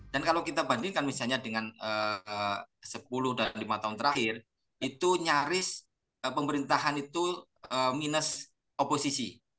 dan kalau kita bandingkan misalnya dengan sepuluh dan lima tahun terakhir itu nyaris pemerintahan itu minus oposisi